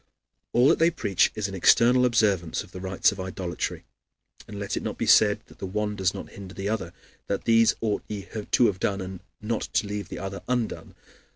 All that they preach is an external observance of the rites of idolatry. And let it not be said that the one does not hinder the other, that "These ought ye to have done, and not to leave the other undone."